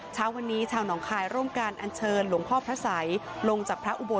เช้าวันนี้ชาวหนองคายร่วมการอัญเชิญหลวงพ่อพระสัยลงจากพระอุโบ